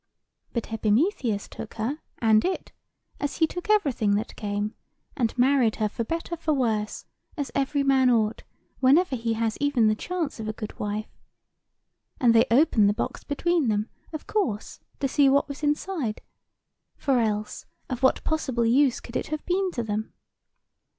"But Epimetheus took her and it, as he took everything that came; and married her for better for worse, as every man ought, whenever he has even the chance of a good wife. And they opened the box between them, of course, to see what was inside: for, else, of what possible use could it have been to them?